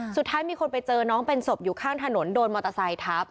สุดท้ายมีคนไปเจอน้องเป็นศพอยู่ข้างถนนโดนมอเตอร์ไซค์ทับ